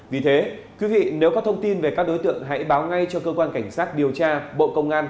vì thế quý vị nếu có thông tin về các đối tượng hãy báo ngay cho cơ quan cảnh sát điều tra bộ công an